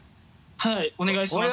はいお願いします。